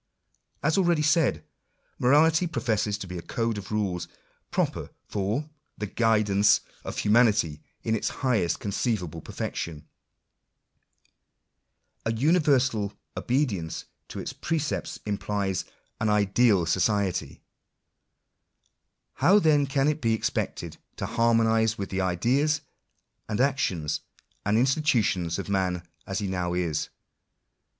As already said, Morality pro fesses to be a code of rules proper for " the guidance of humanity Digitized by VjOOQIC 88 INTRODUCTION. in its highest conceivable perfection." A universal obedienoe to its precepts implies an ideal society. How then can it be expected to harmonise with the ideas, and actions, and institu tions of man as he now is